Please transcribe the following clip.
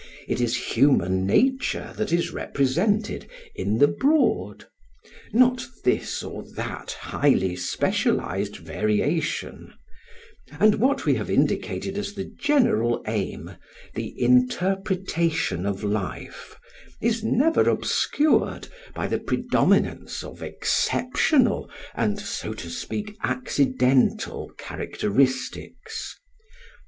It is human nature that is represented in the broad, not this or that highly specialised variation; and what we have indicated as the general aim, the interpretation of life, is never obscured by the predominance of exceptional and so to speak, accidental characteristics.